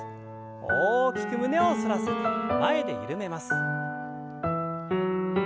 大きく胸を反らせて前で緩めます。